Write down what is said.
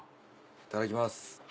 いただきます。